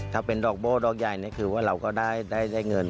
ถ้าเป็นดอกโบ้ดอกใหญ่นี่คือว่าเราก็ได้เงิน